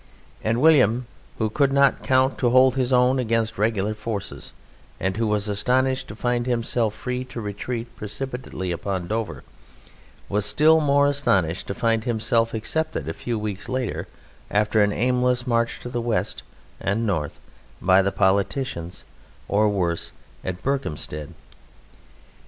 And William, who could not count to hold his own against regular forces and who was astonished to find himself free to retreat precipitately on Dover, was still more astonished to find himself accepted a few weeks later after an aimless march to the west and north by the politicians or worse at Berkhampstead.